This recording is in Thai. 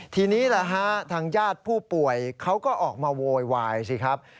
ทีนี้ทางญาติผู้ป่วยเขาก็ออกมาโวยวายสิครับ